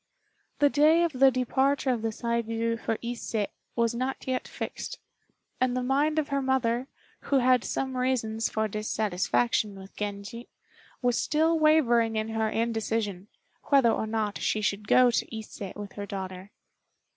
The day of the departure of the Saigû for Ise was not yet fixed; and the mind of her mother, who had some reasons for dissatisfaction with Genji, was still wavering in her indecision, whether or not she should go to Ise with her daughter.